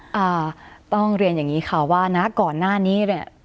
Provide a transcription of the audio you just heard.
อ่าต้องเรียนอย่างนี้ค่ะว่านะก่อนหน้านี้เนี่ย